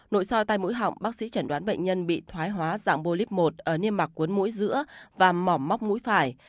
nội soi tai mũi họng bác sĩ chẳng đoán bệnh nhân bị thoái hóa dạng bolip một ở niêm mặt cuốn mũi giữa và mỏm móc mũi phải